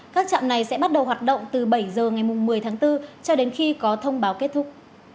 các trạm này sẽ bắt đầu hoạt động từ bảy giờ ngày một mươi tháng bốn cho đến khi có thông báo kết thúc